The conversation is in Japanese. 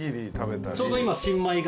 ちょうど今。